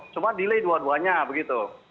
cuma delay dua duanya begitu